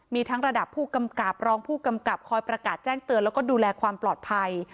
มีทั้งระดับผู้กำกับรองผู้กำกับคอยประกาศแจ้งเตือนแล้วก็ดูแลความปลอดภัย